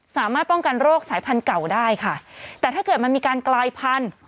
สามารถป้องกันโรคสายพันธุ์เก่าได้ค่ะแต่ถ้าเกิดมันมีการกลายพันธุ์